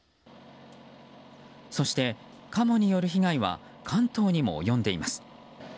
そして、カモによる被害は関東にも及んでいます。